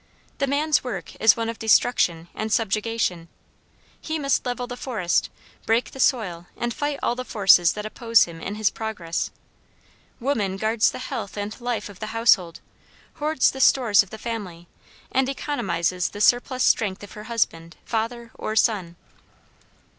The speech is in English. The man's work is one of destruction and subjugation. He must level the forest, break the soil, and fight all the forces that oppose him in his progress. Woman guards the health and life of the household, hoards the stores of the family, and economizes the surplus strength of her husband, father, or son.